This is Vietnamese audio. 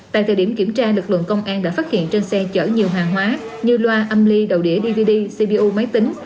tại thời điểm kiểm tra lực lượng công an đã phát hiện trên xe chở nhiều hàng hóa như loa âm ly đầu đĩa dvd cpu máy tính